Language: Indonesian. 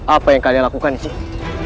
apa yang kalian lakukan sih